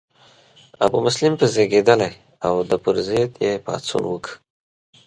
ابومسلم په زیږیدلی او د پر ضد یې پاڅون وکړ.